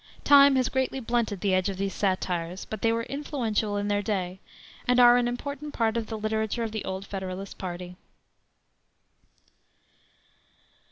Time has greatly blunted the edge of these satires, but they were influential in their day, and are an important part of the literature of the old Federalist party.